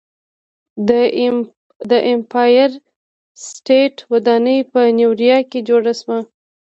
د ایمپایر سټیټ ودانۍ په نیویارک کې جوړه شوه.